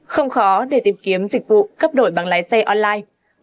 không khó để tìm kiếm dịch vụ cấp đổi bằng lái xe online